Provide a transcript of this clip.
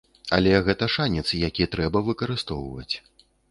Але гэта шанец, які трэба выкарыстоўваць.